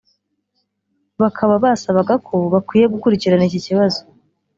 bakaba basabaga ko bakwiye gukurikirana iki kibazo